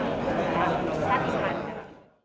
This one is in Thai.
ไม่ได้สบาย